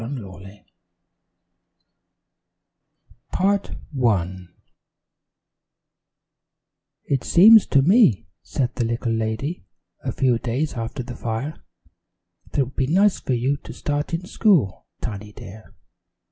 XIX TINY HAS MORE ADVENTURES "IT seems to me," said the little lady, a few days after the fire, "that it would be nice for you to start in school, Tiny dear.